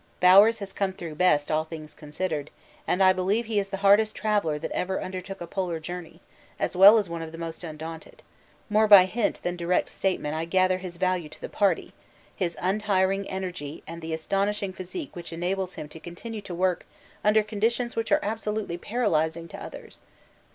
Bowers has come through best, all things considered, and I believe he is the hardest traveller that ever undertook a Polar journey, as well as one of the most undaunted; more by hint than direct statement I gather his value to the party, his untiring energy and the astonishing physique which enables him to continue to work under conditions which are absolutely paralysing to others.